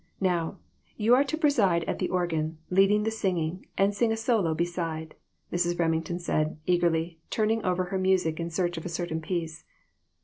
Now, you are to preside at the organ, lead the singing, and sing a solo beside," Mrs. Remington said, eagerly, turning over her music in search of a certain piece.